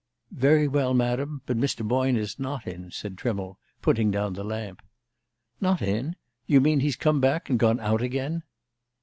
"Very well, Madam. But Mr. Boyne is not in," said Trimmle, putting down the lamp. "Not in? You mean he's come back and gone out again?"